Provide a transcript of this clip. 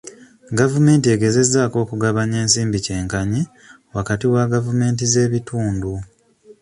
Gavumenti egezezzaako okugabanya ensimbi kyenkanyi wakati wa gavumenti z'ebitundu.